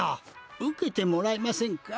受けてもらえませんか？